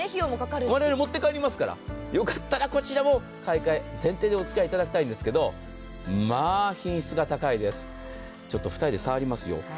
これ、持って帰りますからよかったらこちらも買い替え前提でおつきあいいただきたいんですけどまあ品質が高いです、ちょっと２人で触りますよ。